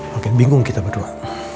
makin bingung kita berdua